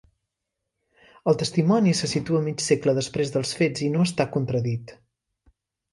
El testimoni se situa mig segle després dels fets i no està contradit.